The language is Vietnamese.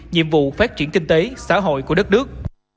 nhiệm vụ phát triển kinh tế xã hội của đất nước